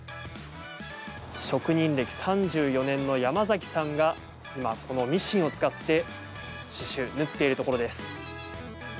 職人歴３４年の山崎さんが今、このミシンを使って刺しゅう、縫っているところです。